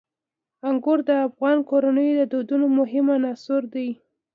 انګور د افغان کورنیو د دودونو مهم عنصر دی.